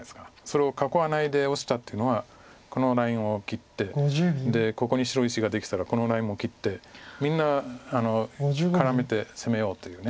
それを囲わないでオシたっていうのはこのラインを切ってここに白石ができたらこのラインも切ってみんな絡めて攻めようという。